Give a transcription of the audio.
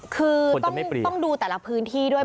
คือต้องดูแต่ละพื้นที่ด้วย